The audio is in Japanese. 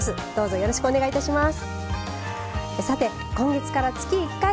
よろしくお願いします。